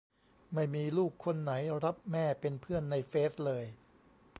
ไม่มีลูกคนไหนรับแม่เป็นเพื่อนในเฟซเลย